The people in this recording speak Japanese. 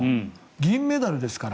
銀メダルですから。